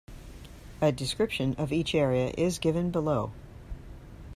A description of each area is given below.